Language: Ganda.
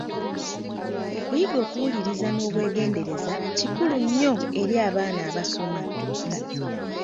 Okuyiga okuwulirirza n’obwegendereza kikulu nnyo eri abaana abasoma.